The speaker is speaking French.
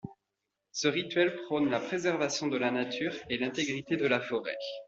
Ce rituel prône la préservation de la nature et l'intégrité de la forêt.